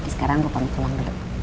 sekarang gua pengen pulang dulu